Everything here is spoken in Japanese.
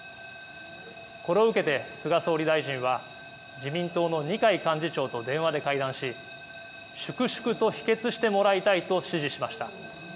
これを受けて菅総理大臣は自民党の二階幹事長と電話で会談し、粛々と否決してもらいたいと指示しました。